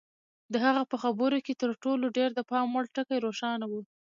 د هغه په خبرو کې تر ټولو ډېر د پام وړ ټکی روښانه و.